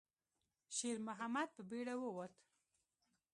شېرمحمد په بیړه ووت.